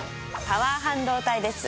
パワー半導体です。